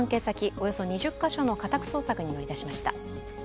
およそ２０カ所の家宅捜索に乗り出しました。